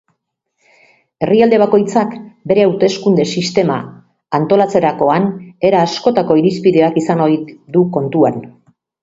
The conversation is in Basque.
Herrialde bakoitzak bere hauteskunde sistema antolatzerakoan era askotako irizpideak izan ohi du kontutan.